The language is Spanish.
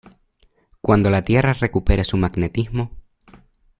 cuando la Tierra recupere su magnetismo